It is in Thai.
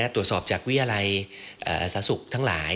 ตรวจสอบจากวิทยาลัยสาธารณสุขทั้งหลาย